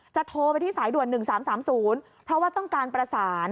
โทรไปที่สายด่วน๑๓๓๐เพราะว่าต้องการประสาน